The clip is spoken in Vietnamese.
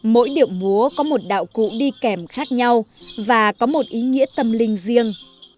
mỗi điệu múa có một đạo cụ đi kèm khác nhau và có một ý nghĩa tâm linh riêng